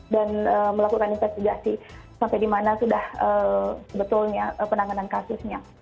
dan melakukan investigasi sampai di mana sudah sebetulnya penanganan kasusnya